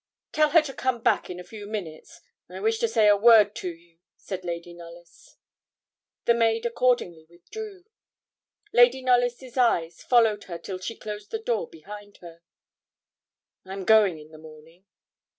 'Tell her to come back in a few minutes; I wish to say a word to you,' said Lady Knollys. The maid accordingly withdrew. Lady Knollys' eyes followed her till she closed the door behind her. 'I'm going in the morning.'